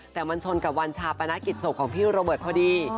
แต่มันชนกับวันชาปนกิจศพของพี่โรเบิร์ตพอดี